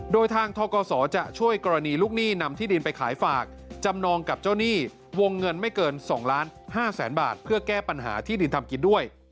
โดยทางทกศจะช่วยกรณีลูกหนี้นำที่ดินไปขายฝากจำนองกับเจ้าหนี้วงเงินไม่เกิน๒ล้าน๕แสนบาทเพื่อแก้ปัญหาที่ดินทำกินด้วย